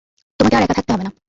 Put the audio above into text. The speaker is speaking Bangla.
তোমাকে আর একা থাকতে হবে না।